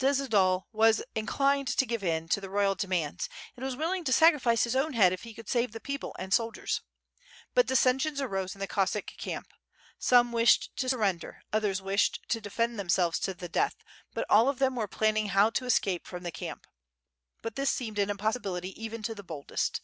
Dziedzial was inclined to give in to the royal demands, and was willing to sacrifice his own head if he could save the people and soldiers. But dissensions arose in the Cossack camp. Some wished to surrender, others washed to defend themselves to the death; but all of them were planning how to escape from the camp. But this seemed an impossibility even to the boldest.